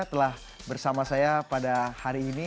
telah bersama saya pada hari ini